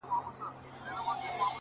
• ځوان دعا کوي؛